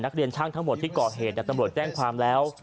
นักเรียนช่างทั้งหมดที่ก่อเหตุแต่ตำรวจแจ้งความแล้ว